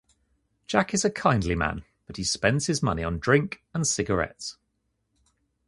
Jack is a kindly man but he spends his money on drink and cigarettes.